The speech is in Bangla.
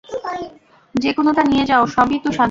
যেকোনোটা নিয়ে নাও, সবই তো সাদা।